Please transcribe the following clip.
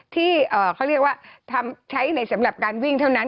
ที่เขาเรียกว่าใช้ในสำหรับการวิ่งเท่านั้น